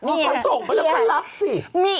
เขาส่งมาแล้วเขารับสิ